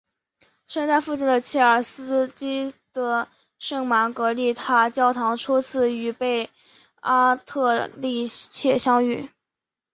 诗人在附近的切尔基的圣玛格丽塔教堂初次与贝阿特丽切相遇。